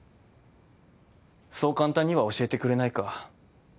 そう簡単には教えてくれないか。